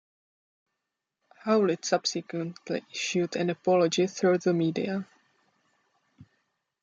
Howlett subsequently issued an apology through the media.